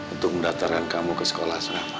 untuk mendaftarkan kamu ke sekolah selama